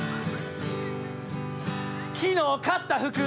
「昨日買った服